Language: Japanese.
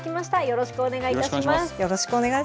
よろしくお願いします。